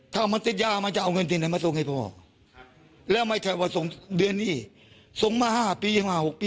ถ้ามันจิตยานั้นมันจะเอาเงินจิำตัวไว้ส่งให้พ่อ